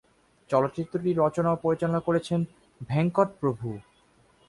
চলচ্চিত্রটি রচনা ও পরিচালনা করেছেন ভেঙ্কট প্রভু।